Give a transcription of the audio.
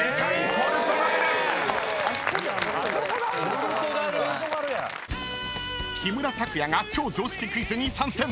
「ポルトガル」⁉［木村拓哉が超常識クイズに参戦！］